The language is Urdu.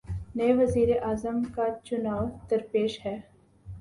نئے وزیر اعظم کا چنائو درپیش ہے۔